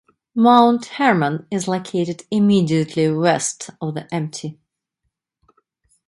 Mount Hermann is located immediately west of the Mt.